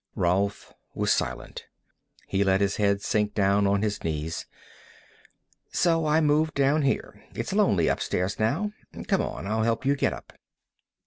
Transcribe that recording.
Rolf was silent. He let his head sink down on his knees. "So I moved down here. It's lonely upstairs now. Come on; I'll help you get up."